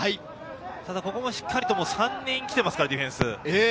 ここもしっかり３人来てますから、ディフェンス。